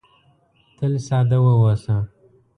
تل ساده واوسه .